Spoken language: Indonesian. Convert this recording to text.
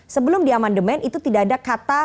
sebelum di amandemen itu tidak ada kata